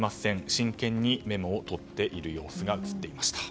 真剣にメモを取っている様子が映っていました。